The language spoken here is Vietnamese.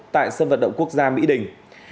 tại sân vật động quốc gia mỹ đình